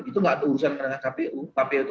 itu nggak urusan dengan kpu kpu itu